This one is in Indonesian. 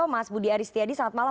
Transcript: mas budi aris tiyadi selamat malam